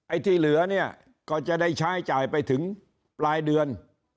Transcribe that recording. ที่เหลือเนี่ยก็จะได้ใช้จ่ายไปถึงปลายเดือน